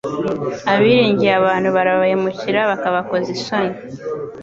Abiringiye abantu barabahemukira bakabkozaisoni